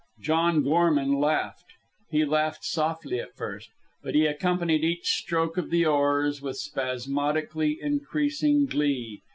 John Gorman laughed. He laughed softly at first, but he accompanied each stroke of the oars with spasmodically increasing glee.